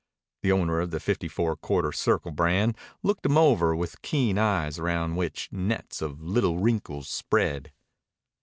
The owner of the Fifty Four Quarter Circle brand looked him over with keen eyes around which nets of little wrinkles spread.